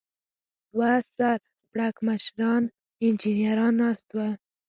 دوه سر پړکمشران انجنیران ناست و.